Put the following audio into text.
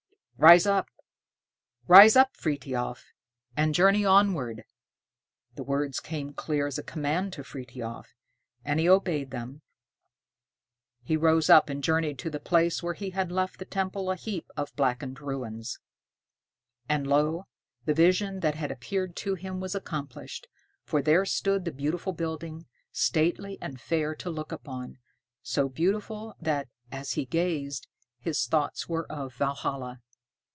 "Rise up, rise up, Frithiof, and journey onward." The words came clear as a command to Frithiof, and he obeyed them. He rose up, and journeyed to the place where he had left the temple a heap of blackened ruins. And, lo! the vision that had appeared to him was accomplished, for there stood the beautiful building, stately and fair to look upon. So beautiful, that, as he gazed, his thoughts were of Valhalla.